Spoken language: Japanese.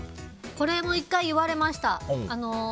これも１回、言われました。